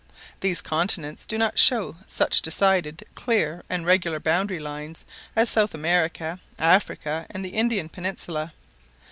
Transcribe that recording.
These continents do not show such decided, clear, and regular boundary lines as South America, Africa, and the Indian peninsula.